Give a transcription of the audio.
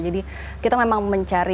jadi kita memang mencari